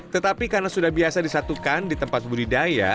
tetapi karena sudah biasa disatukan ditempat budidaya